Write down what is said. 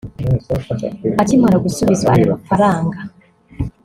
Akimara gusubizwa aya mafaranga